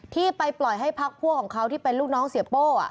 ที่ไปปล่อยให้พักพวกของเขาที่เป็นลูกน้องเสียโป้